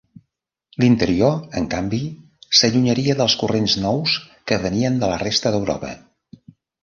L'interior, en canvi, s'allunyaria dels corrents nous que venien de la resta d'Europa.